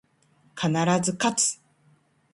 必ず、かつ